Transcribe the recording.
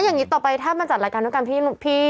อย่างนี้ต่อไปถ้ามาจัดรายการด้วยกันพี่